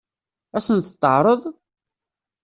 Ad sen-t-teɛṛeḍ?